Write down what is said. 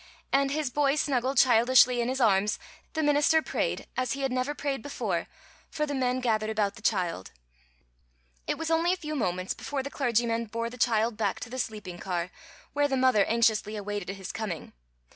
And, his boy snuggled childishly in his arms, the minister prayed, as he never had prayed before, for the men gathered about the child. It was only a few moments before the clergyman bore the child back to the sleeping car, where the mother anxiously awaited his coming.